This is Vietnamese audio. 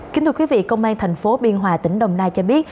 kính thưa quý vị công an thành phố biên hòa tỉnh đồng nai cho biết